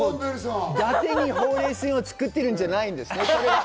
伊達にほうれい線を作ってるんじゃないです。